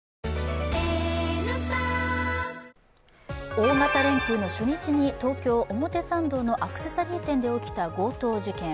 大型連休の初日に東京・表参道のアクセサリー店で起きた強盗事件。